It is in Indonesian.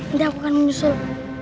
nanti aku akan menyusul